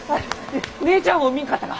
姉ちゃんを見んかったか？